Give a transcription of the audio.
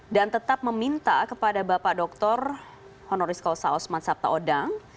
dan tetap meminta kepada bapak doktor honoris causa osman sabta odang